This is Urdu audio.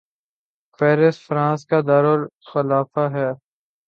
پیرس فرانس کا دارلخلافہ ہے